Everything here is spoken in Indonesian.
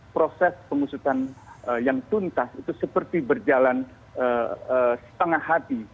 proses pengusutan yang tuntas itu seperti berjalan setengah hati